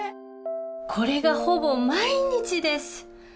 これがほぼ毎日です。